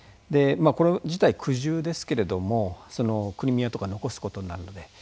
これ自体苦渋ですけれどもクリミアとか残すことになるので。